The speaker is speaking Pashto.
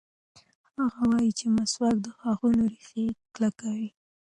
هغه وایي چې مسواک د غاښونو ریښې کلکوي.